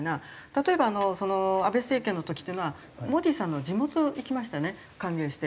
例えば安倍政権の時っていうのはモディさんの地元行きましたよね歓迎して。